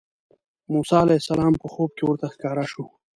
موسی علیه السلام په خوب کې ورته ښکاره شو.